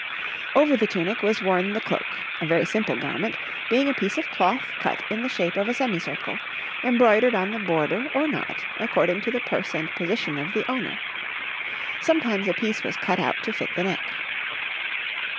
Over the tunic was worn the cloak, a very simple garment, being a piece of cloth cut in the shape of a semicircle, embroidered on the border or not, according to the purse and position of the owner. Sometimes a piece was cut out to fit the neck.